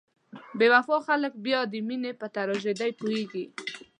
بې وفا خلک بیا د مینې په تراژیدۍ پوهیږي.